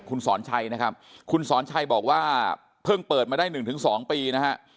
คุณสอนชัยนะครับคุณสอนชัยบอกว่าเพิ่งเปิดมาได้๑๒ปีนะฮะ